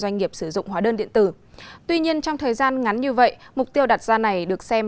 doanh nghiệp sử dụng hóa đơn điện tử tuy nhiên trong thời gian ngắn như vậy mục tiêu đặt ra này được xem